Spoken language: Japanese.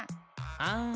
あん。